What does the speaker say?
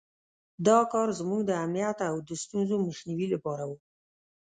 دا کار زموږ د امنیت او د ستونزو مخنیوي لپاره وو.